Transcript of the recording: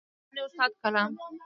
پر رښتین استاد کلام سو